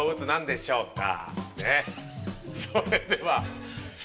それでは。